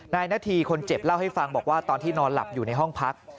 นาธีคนเจ็บเล่าให้ฟังบอกว่าตอนที่นอนหลับอยู่ในห้องพัก